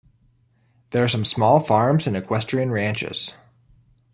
There are some small farms and equestrian ranches.